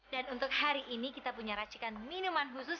dan untuk hari ini kita punya racikan minuman khusus